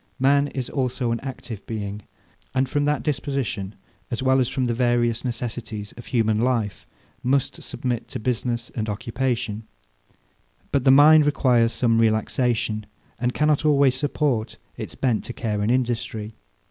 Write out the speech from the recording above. Man is also an active being; and from that disposition, as well as from the various necessities of human life, must submit to business and occupation: But the mind requires some relaxation, and cannot always support its bent to care and industry.